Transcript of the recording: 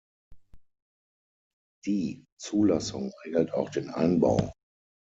Die Zulassung regelt auch den Einbau.